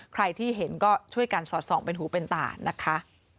ใครที่เห็นก็ช่วยกันสอดส่องเป็นหูเป็นตานะคะ